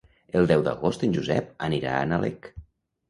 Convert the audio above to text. El deu d'agost en Josep anirà a Nalec.